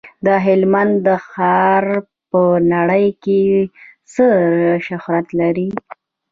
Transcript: د هلمند رخام په نړۍ کې څه شهرت لري؟